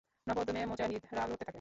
নব উদ্যোমে মুজাহিদরা লড়তে থাকে।